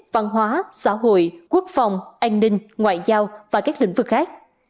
văn hóa xã hội quốc phòng an ninh ngoại giao và các lĩnh vực khác